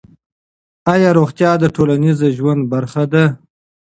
آیا روغتیا د ټولنیز ژوند برخه ده؟